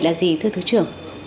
là gì thưa thứ trưởng